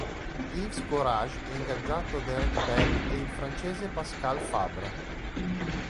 Yves Courage ingaggiato Derek Bell e il francese Pascal Fabre.